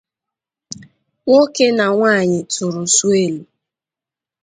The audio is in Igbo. nwoke na nwaanyị tụrụ swelu.